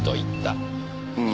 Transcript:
うん。